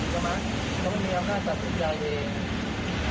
ก็ไม่มีคำนาจตัดสุดใจเดียว